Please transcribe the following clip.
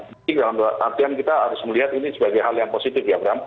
fisik dalam artian kita harus melihat ini sebagai hal yang positif ya bram